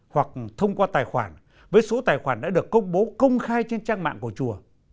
hoặc thông qua tài khoản với số tài khoản đã được công bố công khai trên trang mạng của chùa